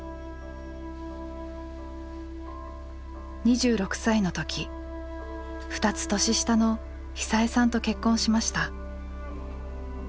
２６歳の時２つ年下の久枝さんと結婚しました。